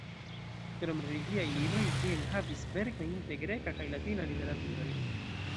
Krom religiaj libroj, ĝi enhavis verkojn de greka kaj latina literaturoj.